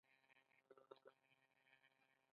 زموږ شپون شړومبی په غړکه کې شاربي.